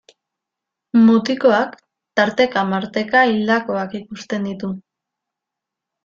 Mutikoak tarteka-marteka hildakoak ikusten ditu.